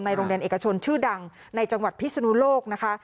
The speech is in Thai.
โรงเรียนเอกชนชื่อดังในจังหวัดพิศนุโลกนะคะ